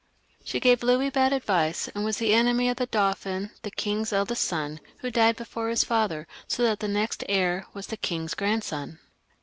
She gave Louis bad advice, and was the enemy of the Dauphin, the king's eldest son, who died before his father, so that the next heir was the king's grandson.